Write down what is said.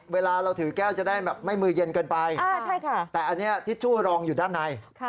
เวลาเราถือแก้วจะได้แบบไม่มือเย็นเกินไปแต่อันนี้ทิชชู่รองอยู่ด้านใน